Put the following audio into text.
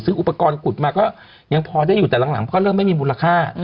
อุปกรณ์ขุดมาก็ยังพอได้อยู่แต่หลังก็เริ่มไม่มีมูลค่า